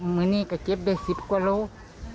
มือนี้ก็เจ็บได้๑๐กว่าโล